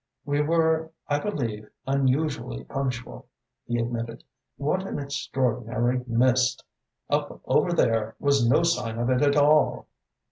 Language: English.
"We were, I believe, unusually punctual," he admitted. "What an extraordinary mist! Up over there was no sign of it at all."